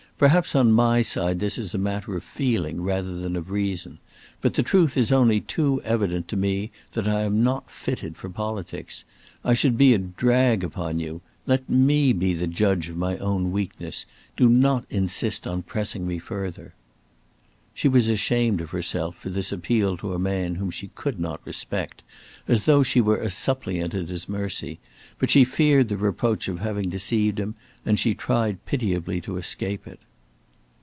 Perhaps on my side this is a matter of feeling rather than of reason, but the truth is only too evident to me that I am not fitted for politics. I should be a drag upon you. Let me be the judge of my own weakness! Do not insist upon pressing me, further!" She was ashamed of herself for this appeal to a man whom she could not respect, as though she were a suppliant at his mercy, but she feared the reproach of having deceived him, and she tried pitiably to escape it.